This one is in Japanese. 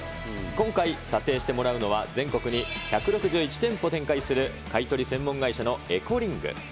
今回、査定してもらうのは、全国に１６１店舗展開する、買い取り専門会社のエコリング。